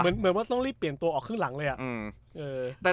เหมือนว่าต้องรีบเปลี่ยนตัวออกครึ่งหลังเลยอะ